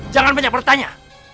jangan banyak bertanya